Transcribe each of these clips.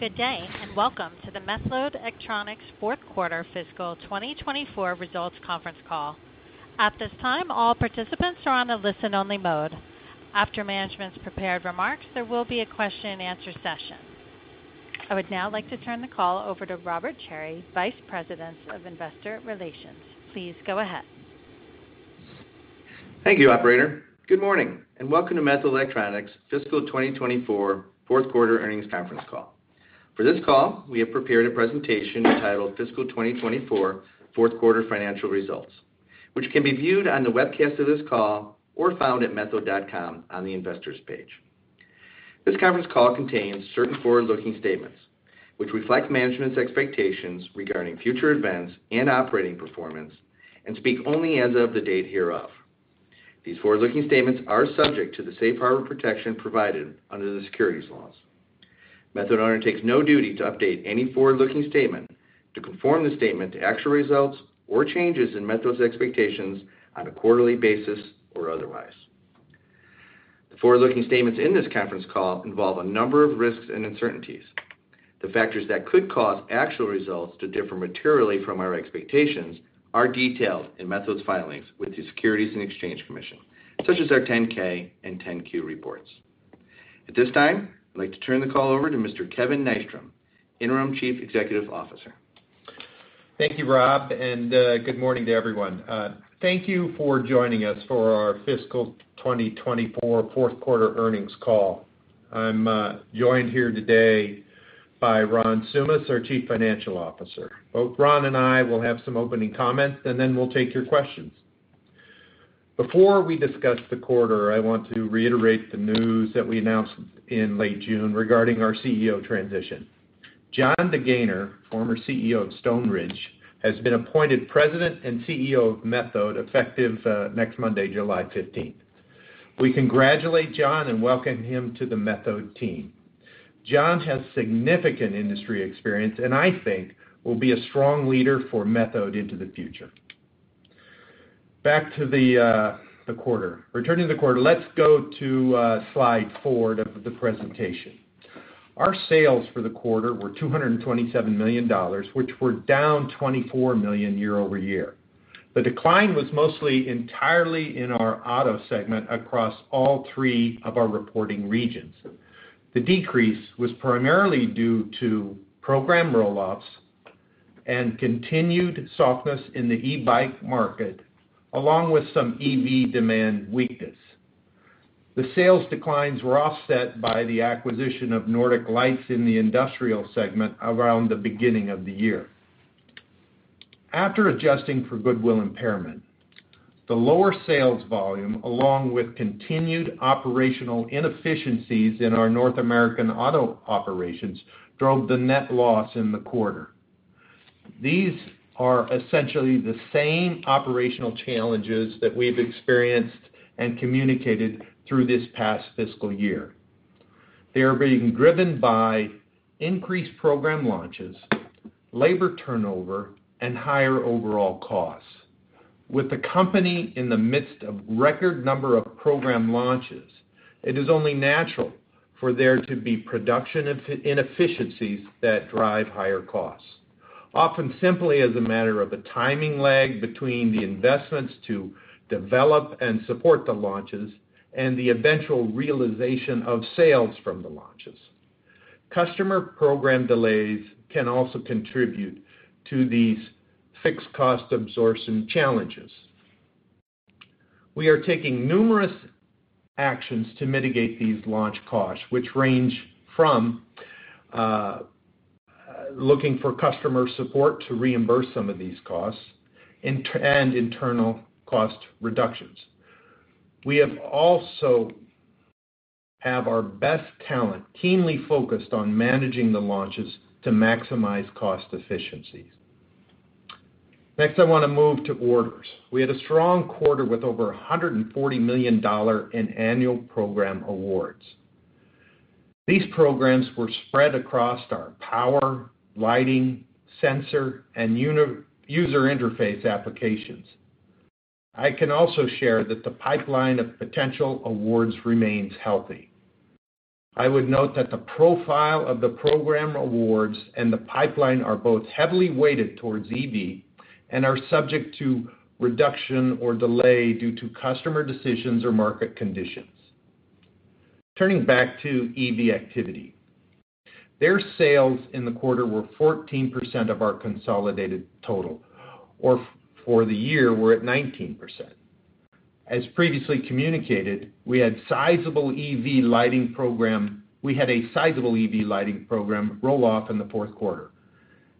Good day, and welcome to the Methode Electronics Fourth Quarter Fiscal 2024 Results Conference Call. At this time, all participants are on a listen-only mode. After management's prepared remarks, there will be a question-and-answer session. I would now like to turn the call over to Robert Cherry, Vice President of Investor Relations. Please go ahead. Thank you, operator. Good morning, and welcome to Methode Electronics Fiscal 2024 Fourth Quarter Earnings Conference Call. For this call, we have prepared a presentation entitled Fiscal 2024 Q4 Financial Results, which can be viewed on the webcast of this call or found at methode.com on the Investors page. This conference call contains certain forward-looking statements, which reflect management's expectations regarding future events and operating performance and speak only as of the date hereof. These forward-looking statements are subject to the safe harbor protection provided under the securities laws. Methode undertakes no duty to update any forward-looking statement to conform the statement to actual results or changes in Methode's expectations on a quarterly basis or otherwise. The forward-looking statements in this conference call involve a number of risks and uncertainties. The factors that could cause actual results to differ materially from our expectations are detailed in Methode's filings with the SEC, such as our 10-K and 10-Q reports. At this time, I'd like to turn the call over to Mr. Kevin Nystrom, Interim Chief Executive Officer. Thank you, Rob, and good morning to everyone. Thank you for joining us for our Fiscal 2024 Fourth Quarter Earnings Call. I'm joined here today by Ron Tsoumas, our Chief Financial Officer. Both Ron and I will have some opening comments, and then we'll take your questions. Before we discuss the quarter, I want to reiterate the news that we announced in late June regarding our CEO transition. Jon DeGaynor, former CEO of Stoneridge, has been appointed President and CEO of Methode, effective next Monday, July 15. We congratulate Jon and welcome him to the Methode team. Jon has significant industry experience, and I think will be a strong leader for Methode into the future. Back to the quarter. Returning to the quarter, let's go to slide four of the presentation. Our sales for the quarter were $227 million, which were down $24 million year-over-year. The decline was mostly entirely in our auto segment across all three of our reporting regions. The decrease was primarily due to program roll-offs and continued softness in the e-bike market, along with some EV demand weakness. The sales declines were offset by the acquisition of Nordic Lights in the industrial segment around the beginning of the year. After adjusting for goodwill impairment, the lower sales volume, along with continued operational inefficiencies in our North American auto operations, drove the net loss in the quarter. These are essentially the same operational challenges that we've experienced and communicated through this past fiscal year. They are being driven by increased program launches, labor turnover, and higher overall costs. With the company in the midst of record number of program launches, it is only natural for there to be production inefficiencies that drive higher costs, often simply as a matter of a timing lag between the investments to develop and support the launches and the eventual realization of sales from the launches. Customer program delays can also contribute to these fixed cost absorption challenges. We are taking numerous actions to mitigate these launch costs, which range from looking for customer support to reimburse some of these costs and internal cost reductions. We also have our best talent keenly focused on managing the launches to maximize cost efficiencies. Next, I wanna move to orders. We had a strong quarter with over $140 million in annual program awards. These programs were spread across our power, lighting, sensor, and user interface applications. I can also share that the pipeline of potential awards remains healthy. I would note that the profile of the program awards and the pipeline are both heavily weighted towards EV and are subject to reduction or delay due to customer decisions or market conditions. Turning back to EV activity. Their sales in the quarter were 14% of our consolidated total, or for the year, we're at 19%. As previously communicated, we had a sizable EV lighting program roll off in the Q4,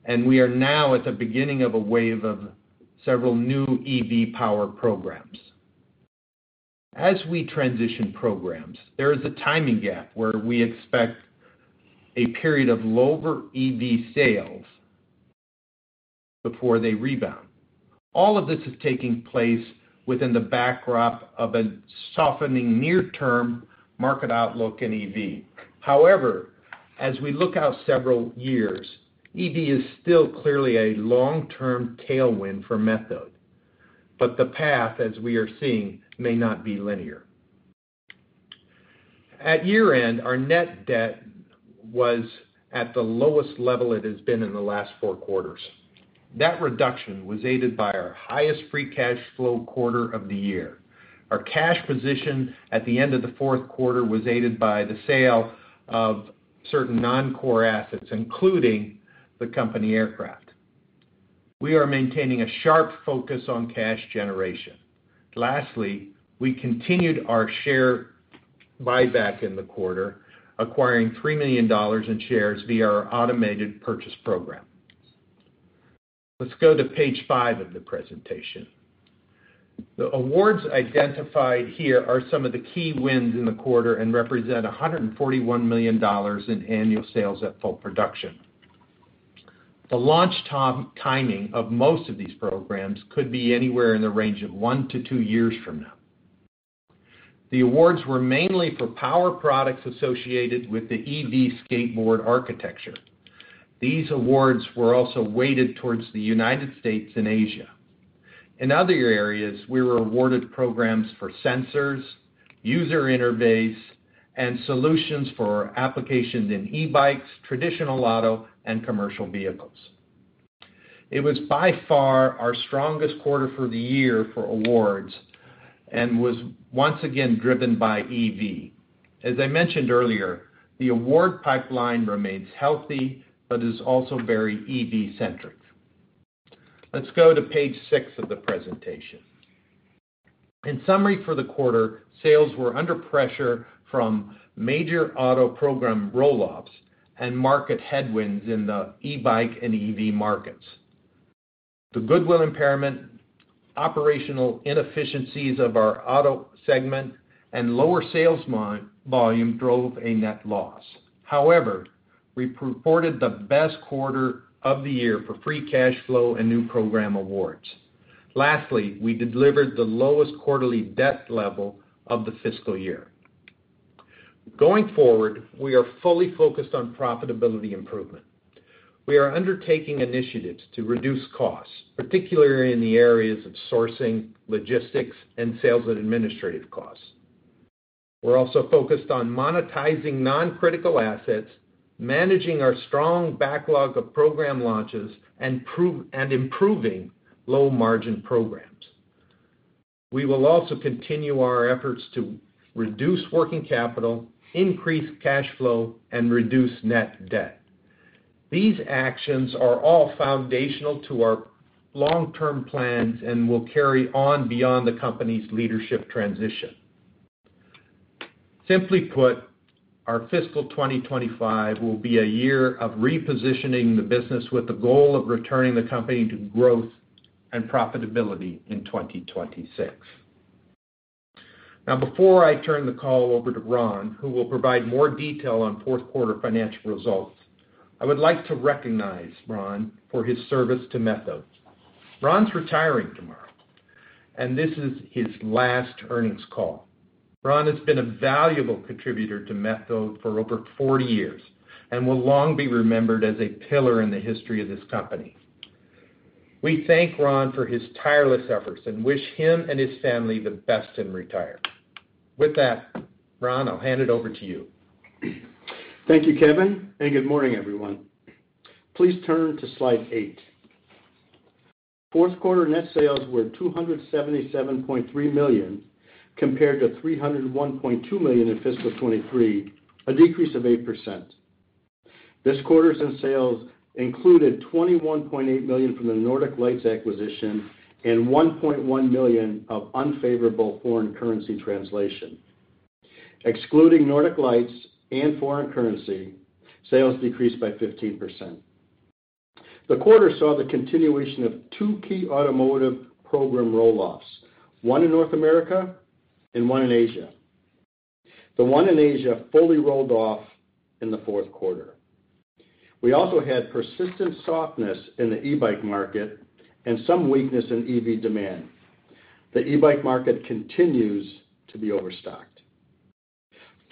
and we are now at the beginning of a wave of several new EV power programs. As we transition programs, there is a timing gap where we expect a period of lower EV sales before they rebound. All of this is taking place within the backdrop of a softening near-term market outlook in EV. However, as we look out several years, EV is still clearly a long-term tailwind for Methode, but the path, as we are seeing, may not be linear. At year-end, our net debt was at the lowest level it has been in the last four quarters. That reduction was aided by our highest free cash flow quarter of the year. Our cash position at the end of the Q4 was aided by the sale of certain non-core assets, including the company aircraft. We are maintaining a sharp focus on cash generation. Lastly, we continued our share buyback in the quarter, acquiring $3 million in shares via our automated purchase program. Let's go to page five of the presentation. The awards identified here are some of the key wins in the quarter and represent $141 million in annual sales at full production. The launch timing of most of these programs could be anywhere in the range of one to two years from now. The awards were mainly for power products associated with the EV skateboard architecture. These awards were also weighted towards the United States and Asia. In other areas, we were awarded programs for sensors, user interface, and solutions for applications in e-bikes, traditional auto, and commercial vehicles. It was by far our strongest quarter for the year for awards and was once again driven by EV. As I mentioned earlier, the award pipeline remains healthy but is also very EV-centric. Let's go to page six of the presentation. In summary, for the quarter, sales were under pressure from major auto program roll-offs and market headwinds in the e-bike and EV markets. The goodwill impairment, operational inefficiencies of our auto segment, and lower sales volume drove a net loss. However, we reported the best quarter of the year for free cash flow and new program awards. Lastly, we delivered the lowest quarterly debt level of the fiscal year. Going forward, we are fully focused on profitability improvement. We are undertaking initiatives to reduce costs, particularly in the areas of sourcing, logistics, and sales and administrative costs. We're also focused on monetizing non-critical assets, managing our strong backlog of program launches, and improving low-margin programs. We will also continue our efforts to reduce working capital, increase cash flow, and reduce net debt. These actions are all foundational to our long-term plans and will carry on beyond the company's leadership transition. Simply put, our fiscal 2025 will be a year of repositioning the business with the goal of returning the company to growth and profitability in 2026. Now, before I turn the call over to Ron, who will provide more detail on Q4 financial results, I would like to recognize Ron for his service to Methode. Ron's retiring tomorrow, and this is his last earnings call. Ron has been a valuable contributor to Methode for over 40 years and will long be remembered as a pillar in the history of this company. We thank Ron for his tireless efforts and wish him and his family the best in retirement. With that, Ron, I'll hand it over to you. Thank you, Kevin, and good morning, everyone. Please turn to slide eight. Q4 net sales were $277.3 million, compared to $301.2 million in fiscal 2023, a decrease of 8%. This quarter's net sales included $21.8 million from the Nordic Lights acquisition and $1.1 million of unfavorable foreign currency translation. Excluding Nordic Lights and foreign currency, sales decreased by 15%. The quarter saw the continuation of two key automotive program roll-offs, one in North America and one in Asia. The one in Asia fully rolled off in the Q4. We also had persistent softness in the e-bike market and some weakness in EV demand. The e-bike market continues to be overstocked.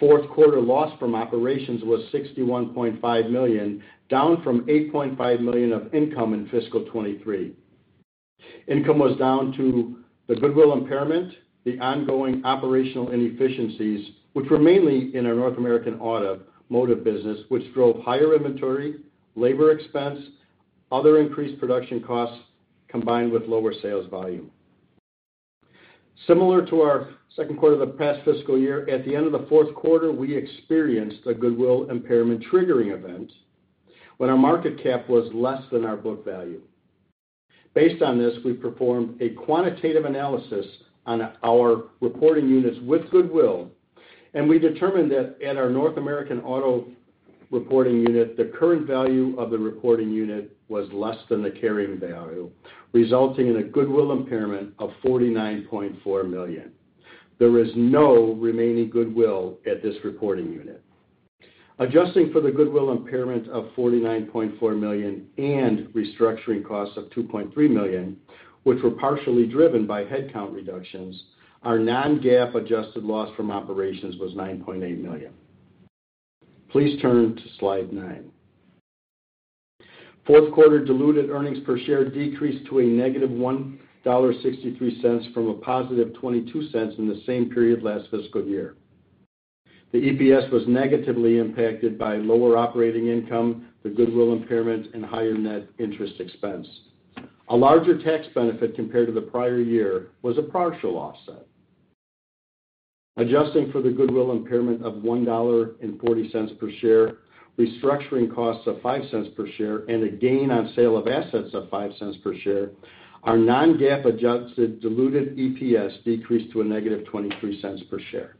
Q4 loss from operations was $61.5 million, down from $8.5 million of income in fiscal 2023. Income was down to the goodwill impairment, the ongoing operational inefficiencies, which were mainly in our North American automotive business, which drove higher inventory, labor expense, other increased production costs, combined with lower sales volume. Similar to our Q2 of the past fiscal year, at the end of the Q4, we experienced a goodwill impairment triggering event when our market cap was less than our book value. Based on this, we performed a quantitative analysis on our reporting units with goodwill, and we determined that at our North American Auto reporting unit, the current value of the reporting unit was less than the carrying value, resulting in a goodwill impairment of $49.4 million. There is no remaining goodwill at this reporting unit. Adjusting for the goodwill impairment of $49.4 million and restructuring costs of $2.3 million, which were partially driven by headcount reductions, our non-GAAP adjusted loss from operations was $9.8 million. Please turn to slide nine. Q4 diluted earnings per share decreased to -$1.63 from a positive $0.22 in the same period last fiscal year. The EPS was negatively impacted by lower operating income, the goodwill impairment, and higher net interest expense. A larger tax benefit compared to the prior year was a partial offset. Adjusting for the goodwill impairment of $1.40 per share, restructuring costs of $0.05 per share, and a gain on sale of assets of $0.05 per share, our non-GAAP adjusted diluted EPS decreased to -$0.23 per share.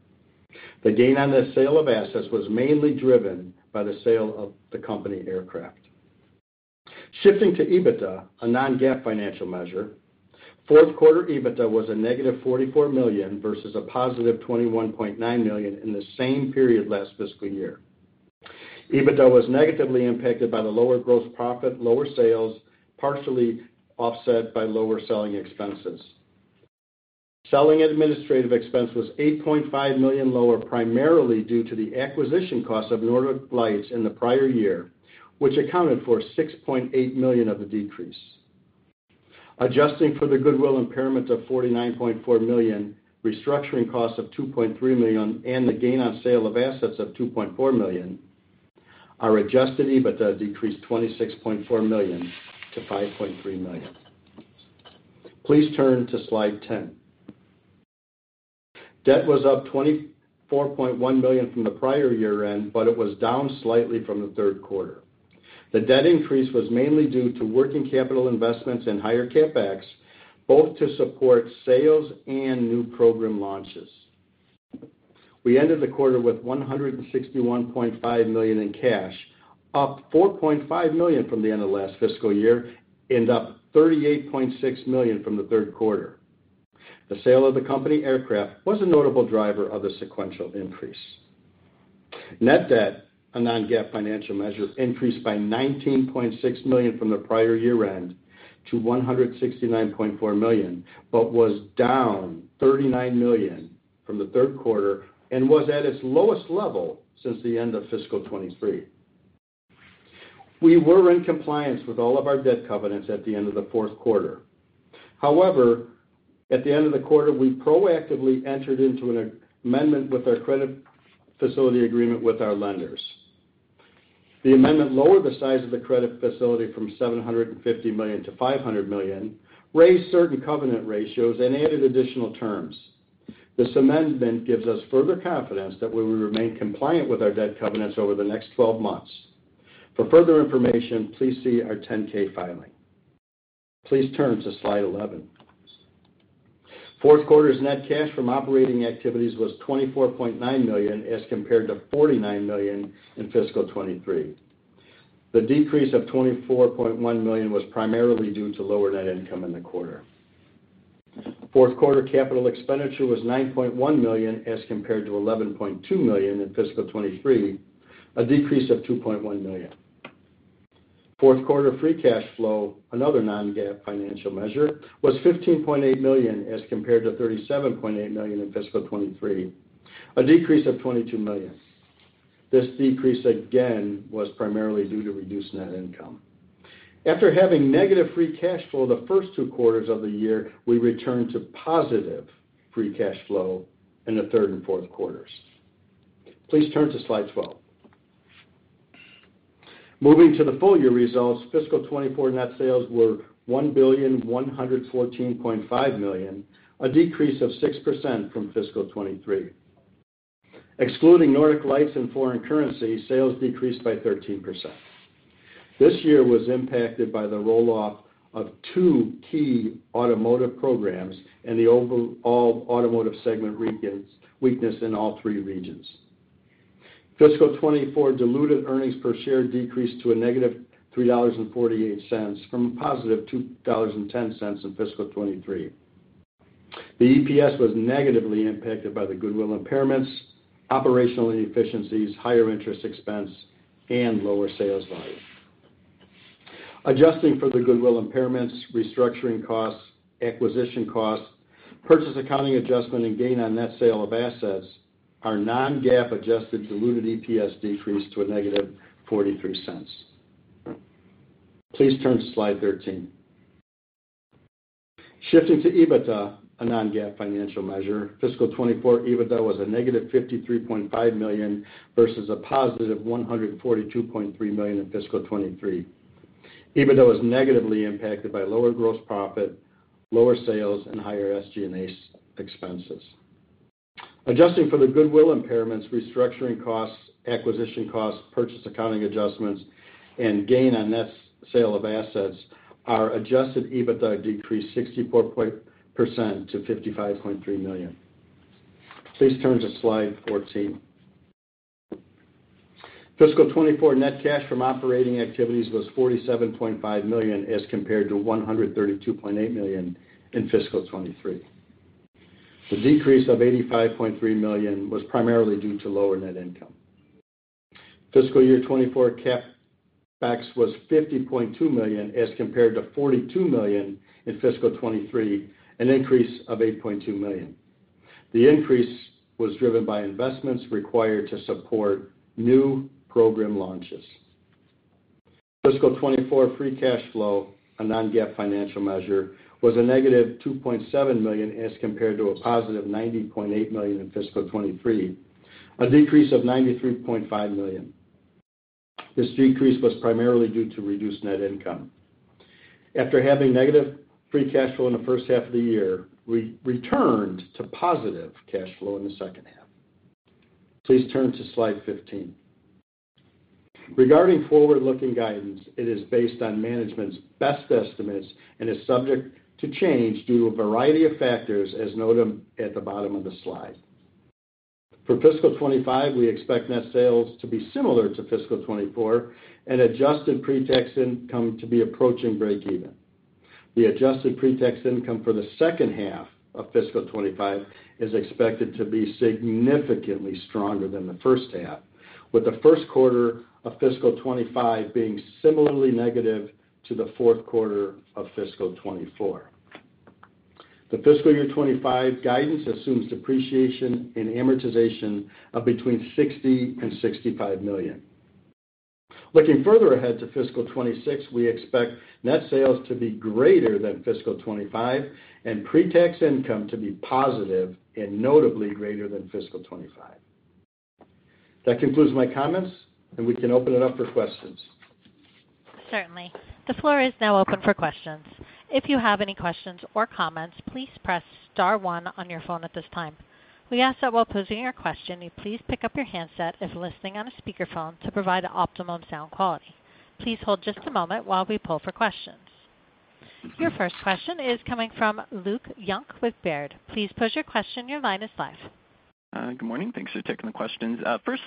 The gain on the sale of assets was mainly driven by the sale of the company aircraft. Shifting to EBITDA, a non-GAAP financial measure, Q4 EBITDA was -$44 million, versus $21.9 million in the same period last fiscal year. EBITDA was negatively impacted by the lower gross profit, lower sales, partially offset by lower selling expenses. Selling administrative expense was $8.5 million lower, primarily due to the acquisition costs of Nordic Lights in the prior year, which accounted for $6.8 million of the decrease. Adjusting for the goodwill impairment of $49.4 million, restructuring costs of $2.3 million, and the gain on sale of assets of $2.4 million, our adjusted EBITDA decreased $26.4 million to $5.3 million. Please turn to slide 10. Debt was up $24.1 million from the prior year-end, but it was down slightly from the Q3. The debt increase was mainly due to working capital investments and higher CapEx, both to support sales and new program launches. We ended the quarter with $161.5 million in cash, up $4.5 million from the end of last fiscal year, and up $38.6 million from the Q3. The sale of the company aircraft was a notable driver of the sequential increase. Net debt, a non-GAAP financial measure, increased by $19.6 million from the prior year-end to $169.4 million, but was down $39 million from the Q3 and was at its lowest level since the end of fiscal 2023. We were in compliance with all of our debt covenants at the end of the Q4. However, at the end of the quarter, we proactively entered into an amendment with our credit facility agreement with our lenders. The amendment lowered the size of the credit facility from $750 million to $500 million, raised certain covenant ratios, and added additional terms. This amendment gives us further confidence that we will remain compliant with our debt covenants over the next 12 months. For further information, please see our 10-K filing. Please turn to slide 11. Q4's net cash from operating activities was $24.9 million, as compared to $49 million in fiscal 2023. The decrease of $24.1 million was primarily due to lower net income in the quarter. Q4 capital expenditure was $9.1 million, as compared to $11.2 million in fiscal 2023, a decrease of $2.1 million. Q4 free cash flow, another non-GAAP financial measure, was $15.8 million, as compared to $37.8 million in fiscal 2023, a decrease of $22 million. This decrease, again, was primarily due to reduced net income. After having negative free cash flow the first two quarters of the year, we returned to positive free cash flow in the third and fourth quarters. Please turn to slide 12. Moving to the full year results, fiscal 2024 net sales were $1,114.5 million, a decrease of 6% from fiscal 2023. Excluding Nordic Lights and foreign currency, sales decreased by 13%. This year was impacted by the roll-off of two key automotive programs and the overall automotive segment weakness in all three regions. Fiscal 2024 diluted earnings per share decreased to a negative $3.48, from a positive $2.10 in fiscal 2023. The EPS was negatively impacted by the goodwill impairments, operational inefficiencies, higher interest expense, and lower sales volume. Adjusting for the goodwill impairments, restructuring costs, acquisition costs, purchase accounting adjustment, and gain on net sale of assets, our non-GAAP adjusted diluted EPS decreased to a negative $0.43. Please turn to slide 13. Shifting to EBITDA, a non-GAAP financial measure, fiscal 2024 EBITDA was a negative $53.5 million, versus a positive $142.3 million in fiscal 2023. EBITDA was negatively impacted by lower gross profit, lower sales, and higher SG&A expenses. Adjusting for the goodwill impairments, restructuring costs, acquisition costs, purchase accounting adjustments, and gain on net sale of assets, our Adjusted EBITDA decreased 64% to $55.3 million. Please turn to slide 14. Fiscal 2024 net cash from operating activities was $47.5 million, as compared to $132.8 million in fiscal 2023. The decrease of $85.3 million was primarily due to lower net income. Fiscal year 2024 CapEx was $50.2 million, as compared to $42 million in fiscal 2023, an increase of $8.2 million. The increase was driven by investments required to support new program launches. Fiscal 2024 free cash flow, a non-GAAP financial measure, was a negative $2.7 million as compared to a positive $90.8 million in fiscal 2023, a decrease of $93.5 million. This decrease was primarily due to reduced net income. After having negative free cash flow in the first half of the year, we returned to positive cash flow in the second half. Please turn to slide 15. Regarding forward-looking guidance, it is based on management's best estimates and is subject to change due to a variety of factors, as noted at the bottom of the slide. For fiscal 2025, we expect net sales to be similar to fiscal 2024, and adjusted pre-tax income to be approaching breakeven. The adjusted pre-tax income for the second half of fiscal 2025 is expected to be significantly stronger than the first half, with the Q1 of fiscal 2025 being similarly negative to the Q4 of fiscal 2024. The fiscal year 2025 guidance assumes depreciation and amortization of $60 million-$65 million. Looking further ahead to fiscal 2025, we expect net sales to be greater than fiscal 2025 and pre-tax income to be positive and notably greater than fiscal 2025. That concludes my comments, and we can open it up for questions. Certainly. The floor is now open for questions. If you have any questions or comments, please press star one on your phone at this time. We ask that while posing your question, you please pick up your handset as if listening on a speakerphone to provide the optimal sound quality. Please hold just a moment while we pull for questions. Your first question is coming from Luke Junk with Baird. Please pose your question. Your line is live. Good morning. Thanks for taking the questions. First,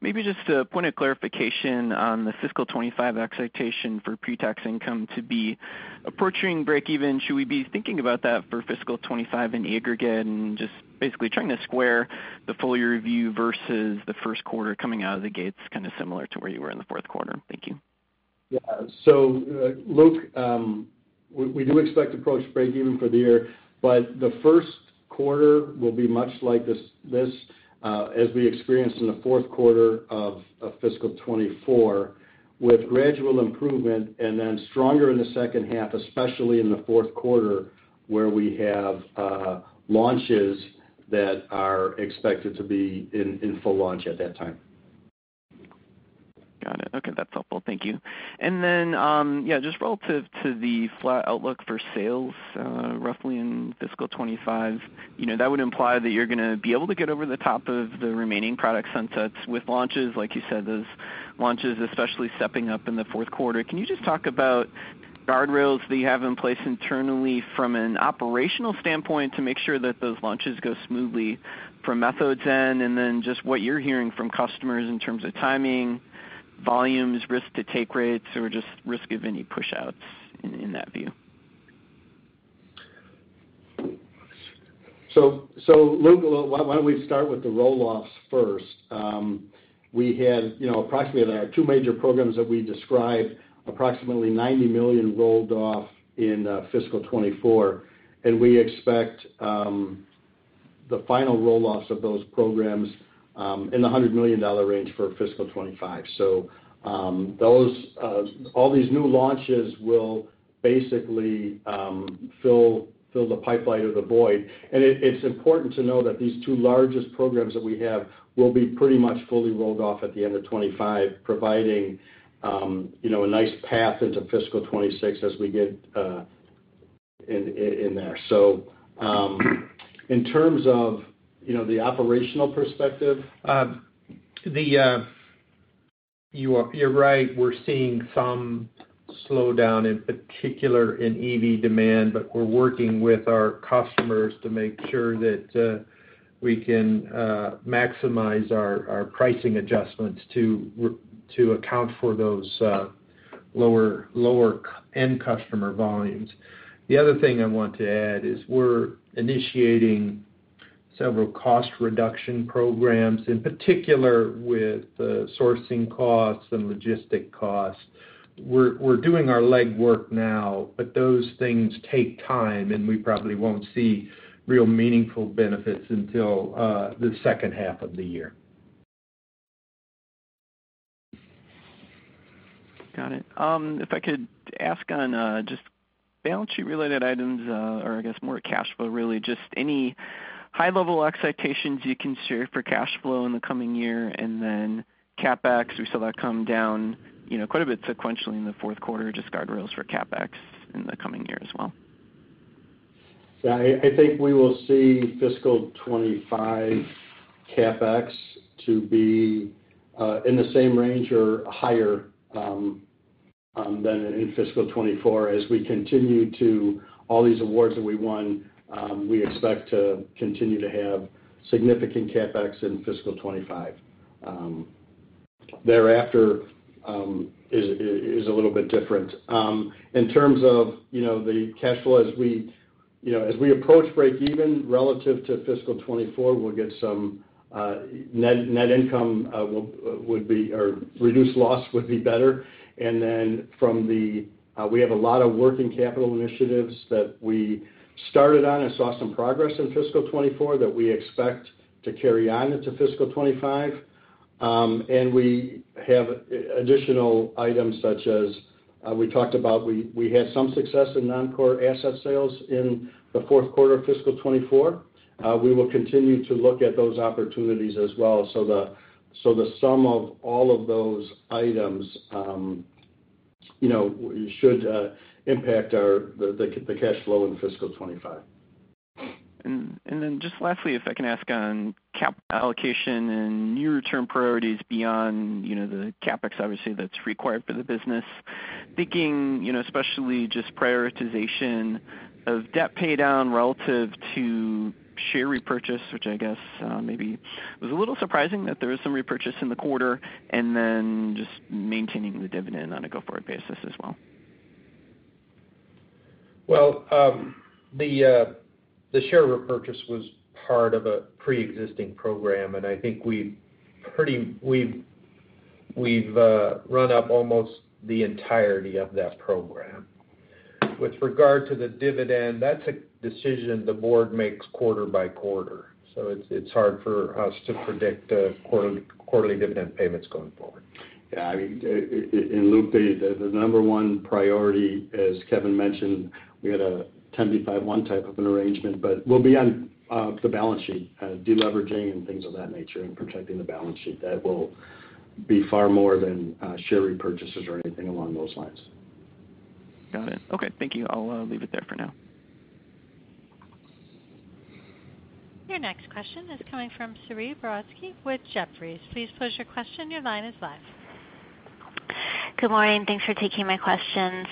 maybe just a point of clarification on the fiscal 2025 expectation for pre-tax income to be approaching breakeven. Should we be thinking about that for fiscal 2025 in aggregate? And just basically trying to square the full year review versus the Q1 coming out of the gates, kind of similar to where you were in the Q4. Thank you. Yeah. So, Luke, we do expect to approach breakeven for the year, but the Q1 will be much like this, as we experienced in the Q4 of fiscal 2024, with gradual improvement and then stronger in the second half, especially in the Q4, where we have launches that are expected to be in full launch at that time. Got it. Okay, that's helpful. Thank you. And then, yeah, just relative to the flat outlook for sales, roughly in fiscal 2025, you know, that would imply that you're gonna be able to get over the top of the remaining product sunsets with launches, like you said, those launches especially stepping up in the Q4. Can you just talk about guardrails that you have in place internally from an operational standpoint, to make sure that those launches go smoothly from Methode's end, and then just what you're hearing from customers in terms of timing, volumes, risk to take rates, or just risk of any pushouts in that view? So, Luke, why don't we start with the roll-offs first? We had, you know, approximately our two major programs that we described, approximately $90 million rolled off in fiscal 2024, and we expect the final roll-offs of those programs in the $100 million range for fiscal 2025. So, those all these new launches will basically fill the pipeline or the void. And it's important to know that these two largest programs that we have will be pretty much fully rolled off at the end of 2025, providing, you know, a nice path into fiscal 2026 as we get in there. So, in terms of, you know, the operational perspective, you're right, we're seeing some slowdown, in particular in EV demand, but we're working with our customers to make sure that we can maximize our pricing adjustments to account for those lower-end customer volumes. The other thing I want to add is we're initiating several cost reduction programs, in particular with the sourcing costs and logistics costs. We're doing our legwork now, but those things take time, and we probably won't see real meaningful benefits until the second half of the year. Got it. If I could ask on, just balance sheet-related items, or I guess more cash flow, really, just any high-level expectations you can share for cash flow in the coming year? And then CapEx, we saw that come down, you know, quite a bit sequentially in the Q4. Just guard rails for CapEx in the coming year as well. Yeah, I think we will see fiscal 2025 CapEx to be in the same range or higher than in fiscal 2024. As we continue to all these awards that we won, we expect to continue to have significant CapEx in fiscal 2025. Thereafter is a little bit different. In terms of, you know, the cash flow, as we, you know, as we approach breakeven relative to fiscal 2024, we'll get some net income would be, or reduced loss would be better. And then from the, we have a lot of working capital initiatives that we started on and saw some progress in fiscal 2024, that we expect to carry on into fiscal 2025. And we have additional items such as, we talked about, we had some success in non-core asset sales in the Q4 of fiscal 2024. We will continue to look at those opportunities as well. So the sum of all of those items, you know, should impact the cash flow in fiscal 2025. And then just lastly, if I can ask on cap allocation and near-term priorities beyond, you know, the CapEx, obviously, that's required for the business. Thinking, you know, especially just prioritization of debt paydown relative to share repurchase, which I guess, maybe was a little surprising that there was some repurchase in the quarter, and then just maintaining the dividend on a go-forward basis as well. Well, the share repurchase was part of a preexisting program, and I think we've pretty run up almost the entirety of that program. With regard to the dividend, that's a decision the board makes quarter by quarter, so it's hard for us to predict quarterly dividend payments going forward. Yeah, I mean, and Luke, the number one priority, as Kevin mentioned, we had a 10b5-1 type of an arrangement, but we'll be on the balance sheet, deleveraging and things of that nature and protecting the balance sheet. That will be far more than share repurchases or anything along those lines. Got it. Okay. Thank you. I'll leave it there for now. Your next question is coming from Saree Boroditsky with Jefferies. Please pose your question. Your line is live. Good morning, thanks for taking my questions.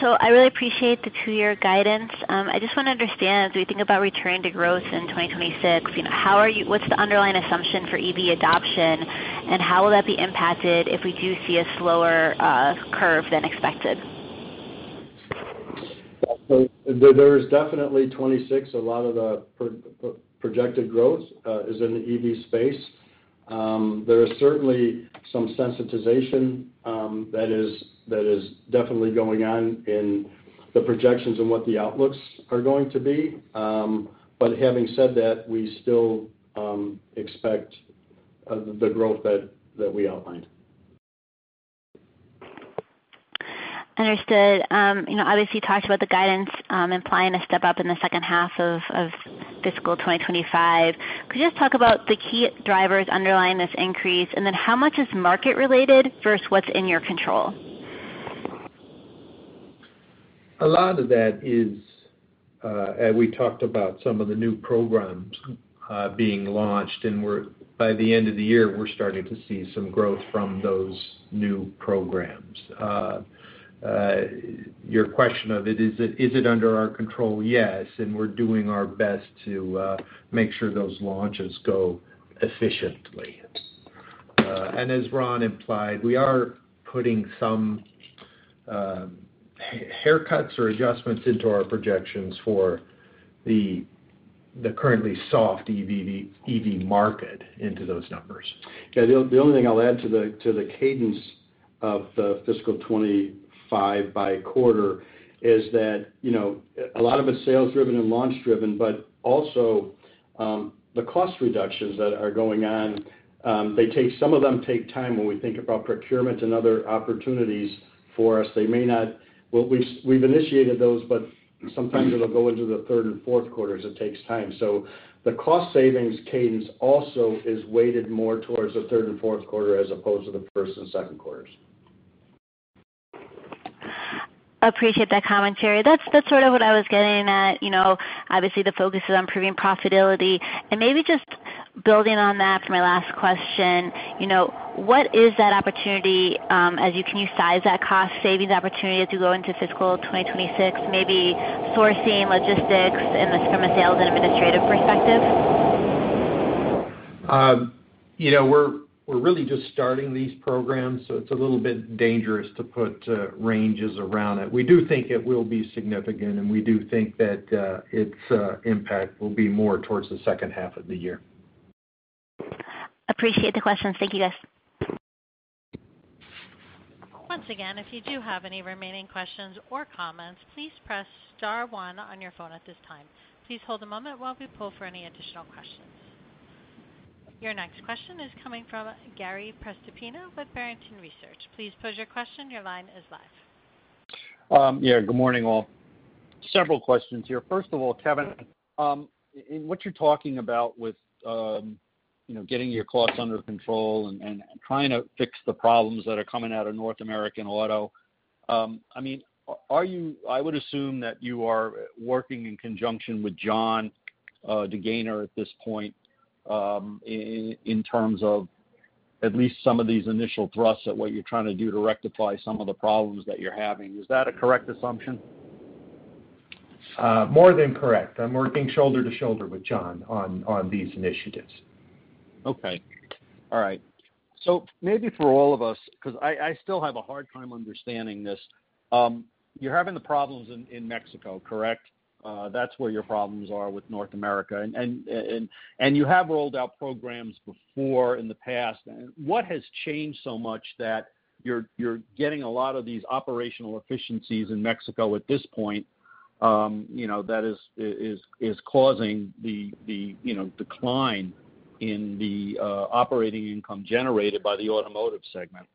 So I really appreciate the two-year guidance. I just want to understand, as we think about returning to growth in 2026, you know, what's the underlying assumption for EV adoption, and how will that be impacted if we do see a slower curve than expected? So there is definitely 2026. A lot of the projected growth is in the EV space. There is certainly some sensitization that is definitely going on in the projections and what the outlooks are going to be. But having said that, we still expect the growth that we outlined. Understood. You know, obviously, you talked about the guidance, implying a step up in the second half of fiscal 2025. Could you just talk about the key drivers underlying this increase, and then how much is market related versus what's in your control? A lot of that is, as we talked about, some of the new programs being launched, and we're by the end of the year starting to see some growth from those new programs. Your question of it, is it under our control? Yes, and we're doing our best to make sure those launches go efficiently. And as Ron implied, we are putting some haircuts or adjustments into our projections for the currently soft EV market into those numbers. Yeah, the only thing I'll add to the cadence of the fiscal 2025 by quarter is that, you know, a lot of it's sales-driven and launch-driven, but also, the cost reductions that are going on, they take, some of them take time when we think about procurement and other opportunities for us. They may not... Well, we've initiated those, but sometimes it'll go into the third and fourth quarters. It takes time. So the cost savings cadence also is weighted more towards the third and fourth quarter as opposed to the first and second quarters. Appreciate that commentary. That's, that's sort of what I was getting at. You know, obviously, the focus is on improving profitability. Maybe just building on that for my last question, you know, what is that opportunity, as you can size that cost savings opportunity as you go into fiscal 2026, maybe sourcing, logistics, and this from a sales and administrative perspective? You know, we're really just starting these programs, so it's a little bit dangerous to put ranges around it. We do think it will be significant, and we do think that its impact will be more towards the second half of the year. Appreciate the questions. Thank you, guys. Once again, if you do have any remaining questions or comments, please press star one on your phone at this time. Please hold a moment while we pull for any additional questions. Your next question is coming from Gary Prestopino with Barrington Research. Please pose your question. Your line is live. Yeah, good morning, all. Several questions here. First of all, Kevin, in what you're talking about with, you know, getting your costs under control and, and trying to fix the problems that are coming out of North American Auto, I mean, are, are you-- I would assume that you are working in conjunction with Jon DeGaynor at this point, in terms of at least some of these initial thrusts at what you're trying to do to rectify some of the problems that you're having. Is that a correct assumption? More than correct. I'm working shoulder to shoulder with John on these initiatives. Okay. All right. So maybe for all of us, 'cause I still have a hard time understanding this. You're having the problems in Mexico, correct? That's where your problems are with North America. And you have rolled out programs before in the past. What has changed so much that you're getting a lot of these operational efficiencies in Mexico at this point? You know, that is causing the decline in the operating income generated by the automotive segment?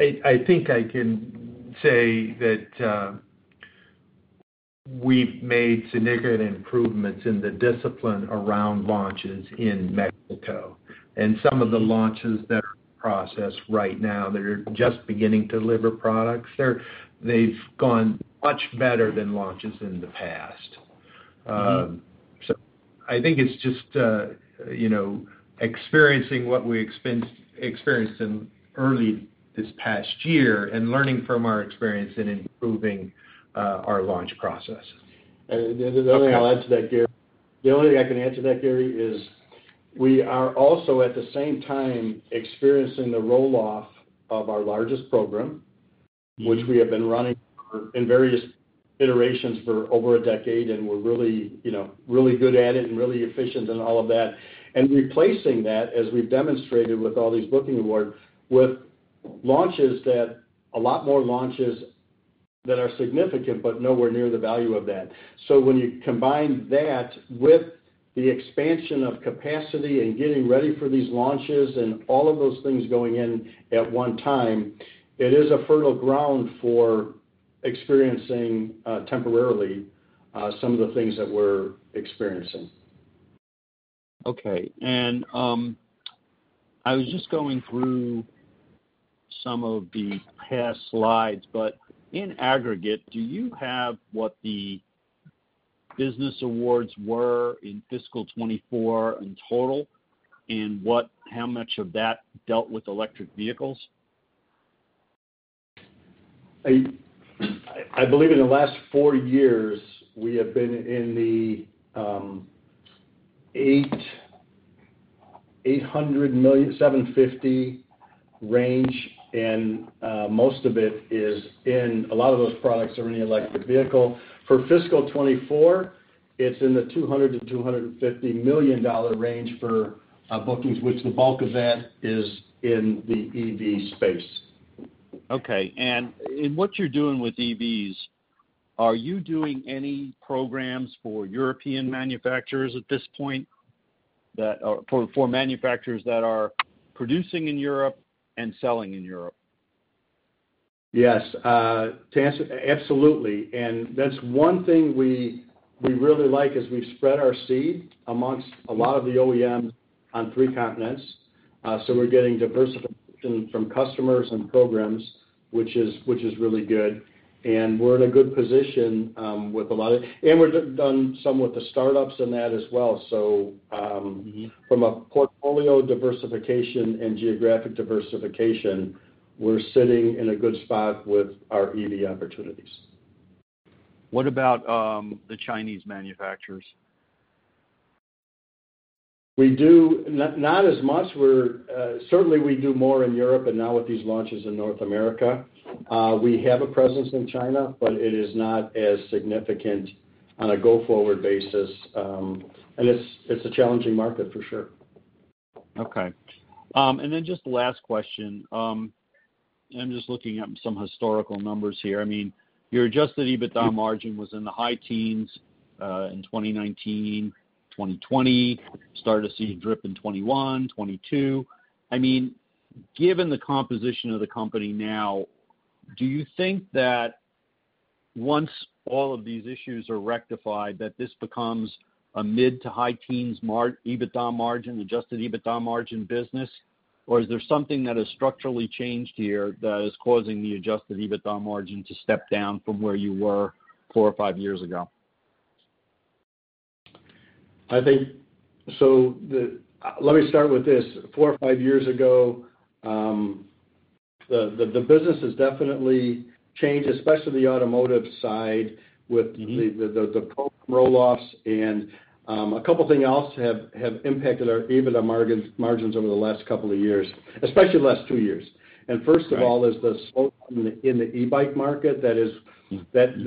I think I can say that we've made significant improvements in the discipline around launches in Mexico. And some of the launches that are in process right now, that are just beginning to deliver products, they've gone much better than launches in the past. So I think it's just, you know, experiencing what we experienced in early this past year and learning from our experience and improving our launch process. And the only thing I'll add to that, Gary—the only thing I can add to that, Gary, is we are also, at the same time, experiencing the roll-off of our largest program, which we have been running for, in various iterations for over a decade, and we're really, you know, really good at it and really efficient and all of that. And replacing that, as we've demonstrated with all these booking awards, with launches that... a lot more launches that are significant, but nowhere near the value of that. So when you combine that with the expansion of capacity and getting ready for these launches and all of those things going in at one time, it is a fertile ground for experiencing, temporarily, some of the things that we're experiencing. Okay. I was just going through some of the past slides, but in aggregate, do you have what the business awards were in fiscal 2024 in total, and what- how much of that dealt with electric vehicles? I believe in the last four years, we have been in the $800 million, $750 range, and most of it is in the electric vehicle. A lot of those products are in the electric vehicle. For fiscal 2024, it's in the $200 million-$250 million range for bookings, which the bulk of that is in the EV space. Okay. And in what you're doing with EVs, are you doing any programs for European manufacturers at this point that are for manufacturers that are producing in Europe and selling in Europe? Yes, to answer... Absolutely. And that's one thing we really like, is we've spread our seed amongst a lot of the OEMs on three continents. So we're getting diversification from customers and programs, which is really good. And we're in a good position with a lot of it. And we've done some with the startups and that as well. So, from a portfolio diversification and geographic diversification, we're sitting in a good spot with our EV opportunities. What about the Chinese manufacturers? We do not as much. We're certainly we do more in Europe, and now with these launches in North America. We have a presence in China, but it is not as significant on a go-forward basis, and it's a challenging market, for sure. Okay. And then just last question. I'm just looking at some historical numbers here. I mean, your adjusted EBITDA margin was in the high teens in 2019. 2020, started to see a drop in 2021, 2022. I mean, given the composition of the company now, do you think that once all of these issues are rectified, that this becomes a mid- to high-teens EBITDA margin, adjusted EBITDA margin business? Or is there something that has structurally changed here that is causing the adjusted EBITDA margin to step down from where you were four or five years ago? I think. So, let me start with this. Four or five years ago, the business has definitely changed, especially the automotive side, with-... the program rolloffs and a couple things else have impacted our EBITDA margins over the last couple of years, especially the last two years. Right. First of all, is the slope in the e-bike market that is, that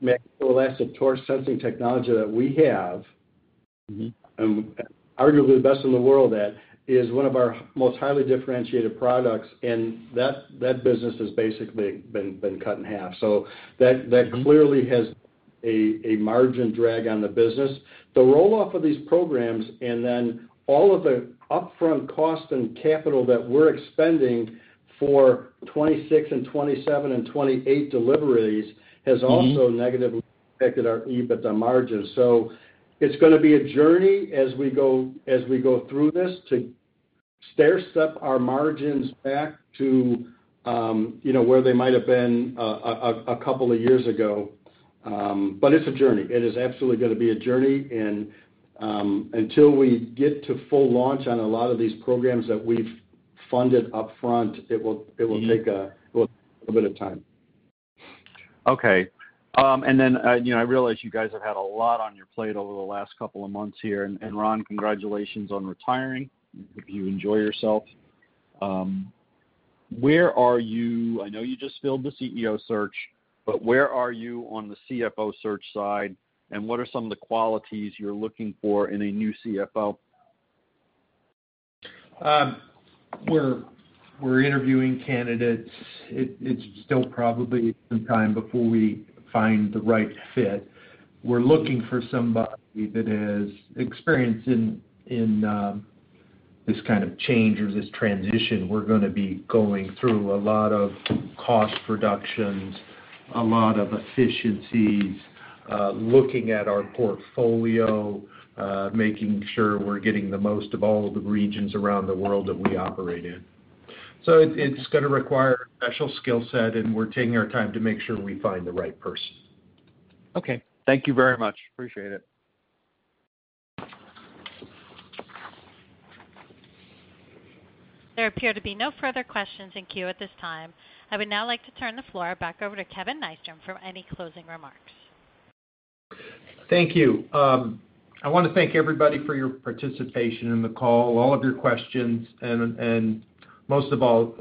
makes the elastic torque sensing technology that we have, and arguably the best in the world at, is one of our most highly differentiated products, and that business has basically been cut in half. So that clearly has a margin drag on the business. The roll-off of these programs and then all of the upfront cost and capital that we're expending for 2026 and 2027 and 2028 deliveries-... has also negatively impacted our EBITDA margins. So it's gonna be a journey as we go, as we go through this, to stair-step our margins back to, you know, where they might have been, a couple of years ago. But it's a journey. It is absolutely gonna be a journey. And, until we get to full launch on a lot of these programs that we've funded upfront, it will take a little bit of time. Okay. And then, you know, I realize you guys have had a lot on your plate over the last couple of months here. And Ron, congratulations on retiring. Hope you enjoy yourself. Where are you? I know you just filled the CEO search, but where are you on the CFO search side, and what are some of the qualities you're looking for in a new CFO? We're interviewing candidates. It's still probably some time before we find the right fit. We're looking for somebody that has experience in this kind of change or this transition. We're gonna be going through a lot of cost reductions, a lot of efficiencies, looking at our portfolio, making sure we're getting the most of all of the regions around the world that we operate in. So it's gonna require a special skill set, and we're taking our time to make sure we find the right person. Okay. Thank you very much. Appreciate it. There appear to be no further questions in queue at this time. I would now like to turn the floor back over to Kevin Nystrom for any closing remarks. Thank you. I wanna thank everybody for your participation in the call, all of your questions, and most of all,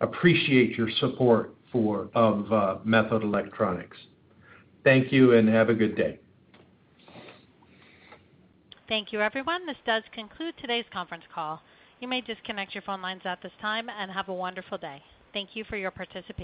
appreciate your support of Methode Electronics. Thank you, and have a good day. Thank you, everyone. This does conclude today's conference call. You may disconnect your phone lines at this time, and have a wonderful day. Thank you for your participation.